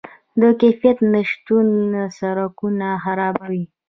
د کیفیت نشتون سرکونه خرابوي.